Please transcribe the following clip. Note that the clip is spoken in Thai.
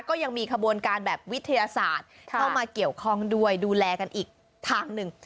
ก็ยังมีขบวนการแบบวิทยาศาสตร์เข้ามาเกี่ยวข้องด้วยดูแลกันอีกทางหนึ่ง